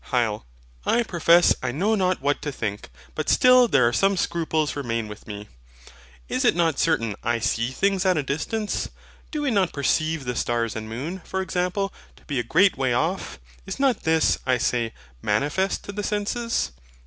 HYL. I profess I know not what to think; but still there are some scruples remain with me. Is it not certain I SEE THINGS at a distance? Do we not perceive the stars and moon, for example, to be a great way off? Is not this, I say, manifest to the senses?